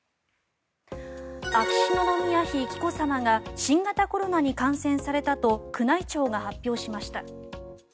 秋篠宮妃・紀子さまが新型コロナに感染されたと宮内庁が発表しました。